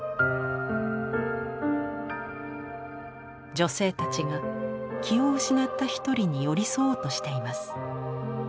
女性たちが気を失った一人に寄り添おうとしています。